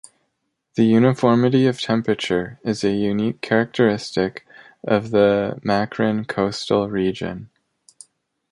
The uniformity of temperature is a unique characteristic of the Makran Coastal region.